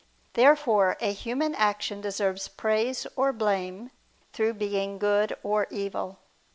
Therefore a human action deserves praise or blame, through being good or evil.